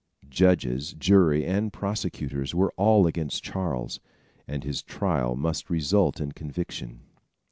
Judges, jury and prosecutors were all against Charles, and his trial must result in conviction.